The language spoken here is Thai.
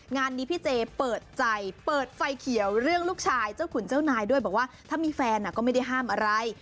งานนี้พี่เจเปิดใจเปิดไฟเขียวเรื่องลูกชายเจ้าขุนเจ้านายด้วยบอกว่าถ้ามีแฟนก็ไม่ได้ห้ามอะไร